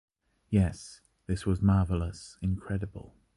Yes, this was marvelous, incredible.